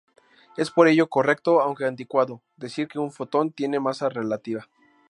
Es por ello correcto, aunque anticuado, decir que un fotón tiene masa relativista.